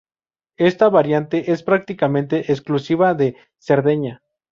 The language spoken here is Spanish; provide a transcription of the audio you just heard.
Esta variante es prácticamente exclusiva de Cerdeña.